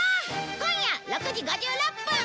今夜６時５６分！